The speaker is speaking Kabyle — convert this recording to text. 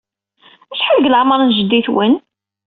Acḥal deg leɛmeṛ n jeddi-twen?